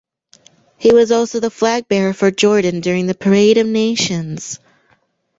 He was also the flagbearer for Jordan during the Parade of Nations.